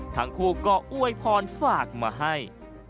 ทั้งคู่ก็อวยพรฝากมาให้